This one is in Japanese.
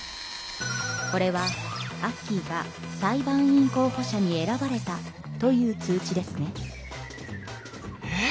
これはアッキーが裁判員候補者に選ばれたという通知ですね。え！？